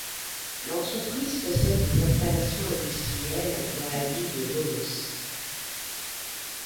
L’entreprise possède des installations industrielles dans la ville de Volos.